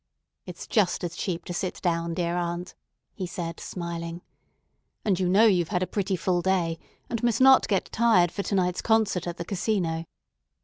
"It's just as cheap to sit down, dear aunt," he said, smiling. "And you know you've had a pretty full day, and must not get tired for to night's concert at the Casino.